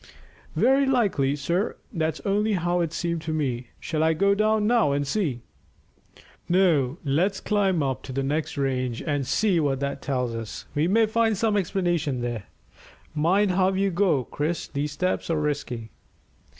"Very likely, sir. That's only how it seemed to me. Shall I go down now and see?" "No; let's climb up to the next range and see what that tells us; we may find some explanation there. Mind how you go, Chris; these steps are risky."